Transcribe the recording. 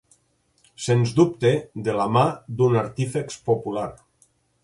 Sens dubte, de la mà d'un artífex popular.